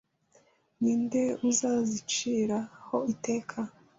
Ni nde uzazicira ho iteka?